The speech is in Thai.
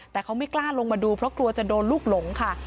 แต่เขาไม่กล้าลงมาดูเพราะกลัวจะโดนลูกหลงค่ะ